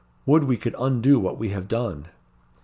Would we could undo what we have done!"